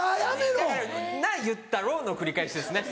「だからなっ言ったろ？」の繰り返しですね。